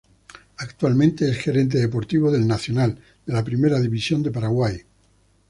Actualmente es Gerente Deportivo del Nacional de la Primera División de Paraguay.